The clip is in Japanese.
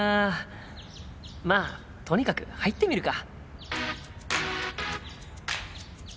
まあとにかく入ってみるか。